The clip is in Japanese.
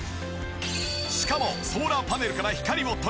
しかもソーラーパネルから光を取り込み